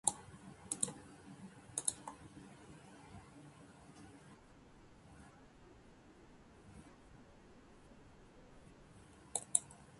蜜柑は、色のあざやかな、大きさの揃った品であった。